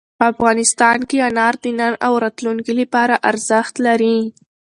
افغانستان کې انار د نن او راتلونکي لپاره ارزښت لري.